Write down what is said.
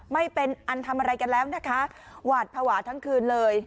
ไม่เป็นอันทำอะไรกันแล้วนะคะหวาดภาวะทั้งคืนเลย